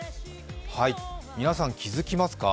皆さん、気づきますか？